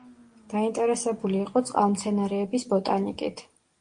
დაინტერესებული იყო წყალმცენარეების ბოტანიკით.